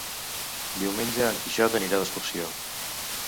Diumenge en Quixot anirà d'excursió.